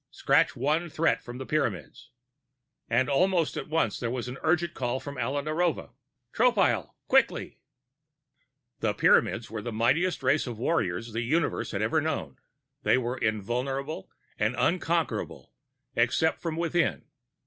Scratch one threat from the Pyramids And almost at once, there was another urgent call from Alia Narova: "Tropile, quickly!" The Pyramids were the mightiest race of warriors the Universe had ever known. They were invulnerable and unconquerable, except from within.